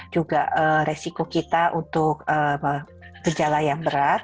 juga resiko kita untuk gejala yang berat